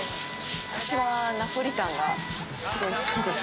私はナポリタンがすごい好きです。